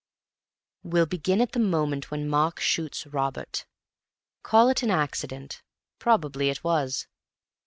"We'll begin at the moment when Mark shoots Robert. Call it an accident; probably it was.